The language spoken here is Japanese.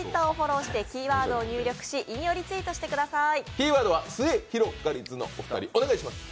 キーワードはすゑひろがりずのお二人、お願いします。